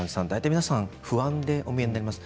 みんな不安でお見えになります。